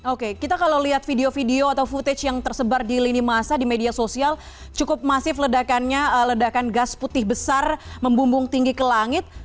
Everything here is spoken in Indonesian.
oke kita kalau lihat video video atau footage yang tersebar di lini masa di media sosial cukup masif ledakannya ledakan gas putih besar membumbung tinggi ke langit